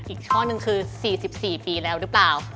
อีกท่อนึงคือ๔๔ปีแล้วหรือเปล่า